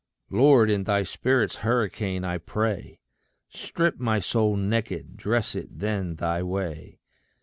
Lord, in thy spirit's hurricane, I pray, Strip my soul naked dress it then thy way.